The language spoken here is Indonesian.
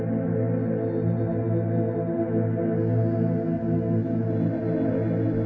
tidak ada yang bisa dikira